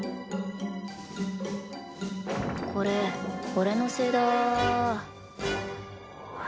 これ俺のせいだ